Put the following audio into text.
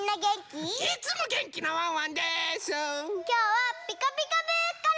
きょうは「ピカピカブ！」から！